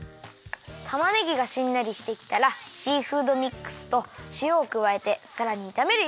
たまねぎがしんなりしてきたらシーフードミックスとしおをくわえてさらにいためるよ。